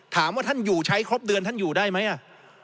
ท่านอยู่ใช้ครบเดือนท่านอยู่ได้ไหมอ่ะ